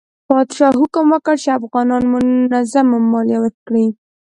پادشاه حکم وکړ چې افغانان منظمه مالیه ورکړي.